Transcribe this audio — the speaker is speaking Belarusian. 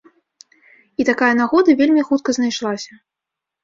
І такая нагода вельмі хутка знайшлася.